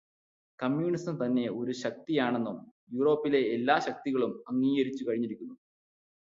കമ്മ്യൂണിസംതന്നെ ഒരു ശക്തിയാണെന്നു യൂറോപ്പിലെ എല്ലാ ശക്തികളും അംഗീകരിച്ചുകഴിഞ്ഞിരിക്കുന്നു.